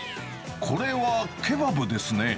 これはケバブですね。